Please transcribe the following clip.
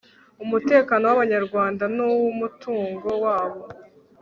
umutekano w'abanyarwanda n'uw'umutungo wabo